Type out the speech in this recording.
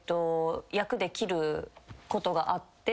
役で切ることがあって。